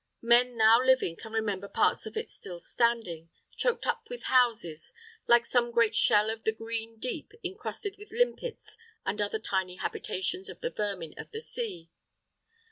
Men now living can remember parts of it still standing, choked up with houses, like some great shell of the green deep incrusted with limpets and other tiny habitations of the vermin of the sea.